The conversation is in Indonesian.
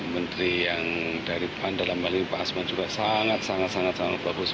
menteri yang dari pan dalam hal ini pak asman juga sangat sangat sangat bagus